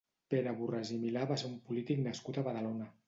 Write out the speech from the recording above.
Pere Borràs i Milà va ser un polític nascut a Badalona.